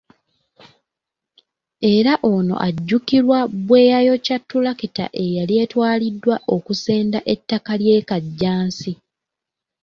Era ono ajjukirwa bwe yayokya tulakita eyali etwaliddwa okusenda ettaka ly'e Kajjansi.